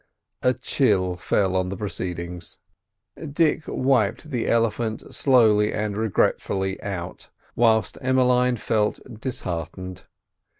A chill fell on the proceedings. Dick wiped the elephant slowly and regretfully out, whilst Emmeline felt disheartened.